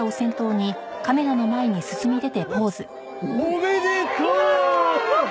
「おめでとう！」